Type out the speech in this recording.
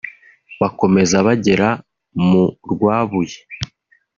bakomeza bagera mu Rwabuye